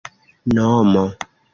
nomo